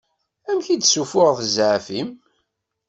Amek i d-ssufuɣeḍ zɛaf-im?